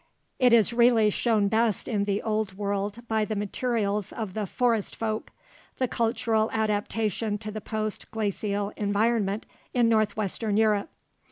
It is really shown best in the Old World by the materials of the "Forest folk," the cultural adaptation to the post glacial environment in northwestern Europe.